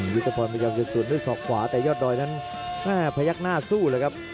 ยุทธพรพยายามจะสวนด้วยศอกขวาแต่ยอดดอยนั้นพยักหน้าสู้เลยครับ